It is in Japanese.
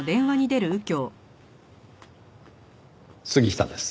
杉下です。